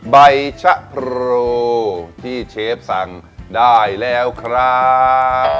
ใบชะพรูที่เชฟสั่งได้แล้วครับ